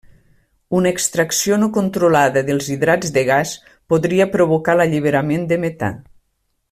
Una extracció no controlada dels hidrats de gas podria provocar l'alliberament de metà.